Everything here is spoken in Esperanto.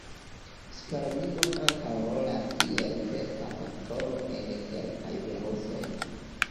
Spermino ankaŭ rolas kiel kreska faktoro en kelkaj virusoj.